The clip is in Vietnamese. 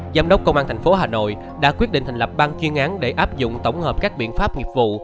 giám đốc công an tp hà nội đã quyết định thành lập ban chuyên án để áp dụng tổng hợp các biện pháp nghiệp vụ